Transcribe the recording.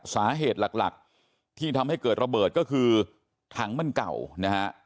สาเหตุหลักหลักที่ทำให้เกิดระเบิดก็คือถังมันเก่านะฮะ